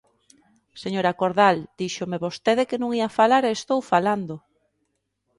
Señora Cordal, díxome vostede que non ía falar e estou falando.